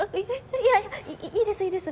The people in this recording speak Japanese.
いやいいですいいです！